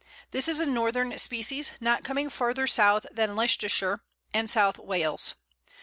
This is a northern species, coming not further south than Leicestershire and South Wales.